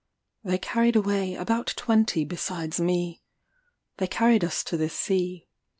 They carried away about twenty besides me. They carried us to the sea.